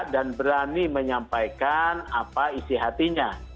dan berani menyampaikan apa isi hatinya